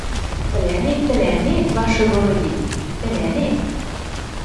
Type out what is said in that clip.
– Тӹлӓнет, тӹлӓнет, ваше городит, тӹлӓнет...